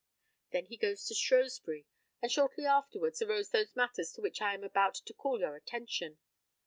Then he goes to Shrewsbury, and shortly afterwards arose those matters to which I am about to call your attention.